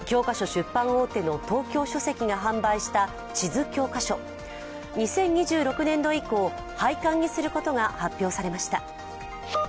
出版大手の東京書籍が販売した地図教科書、２０２６年度以降、廃刊にすることが発表されました。